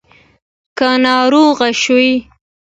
که ناروغ شوې